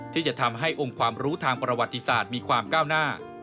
ที่จะทำให้องค์ความรู้ทางประวัติศาสตร์มีความก้าวหน้า